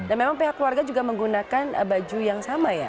dan memang pihak keluarga juga menggunakan baju yang sama ya